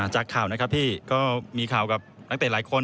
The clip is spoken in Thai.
จากข่าวนะครับพี่ก็มีข่าวกับนักเตะหลายคน